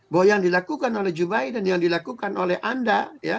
bahwa yang dilakukan oleh joe biden yang dilakukan oleh anda